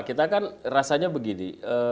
kita kan rasanya begini